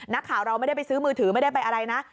นักข่าวเราไม่ได้ไปซื้อมือถือไม่ได้ไปอะไรนะ